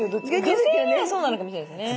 女性にはそうなのかもしれないですね。